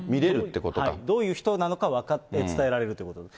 どういう人なのか分かって、伝えられるということです。